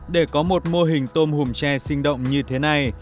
để có một mô hình tôm hùm tre sinh động như thế này